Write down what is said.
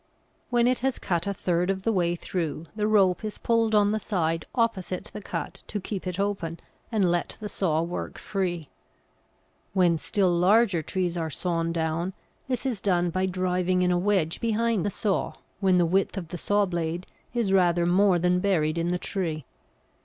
When it has cut a third of the way through, the rope is pulled on the side opposite the cut to keep it open and let the saw work free. When still larger trees are sawn down this is done by driving in a wedge behind the saw, when the width of the saw blade is rather more than buried in the tree.